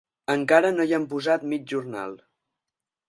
Encara no hi han posat mig jornal.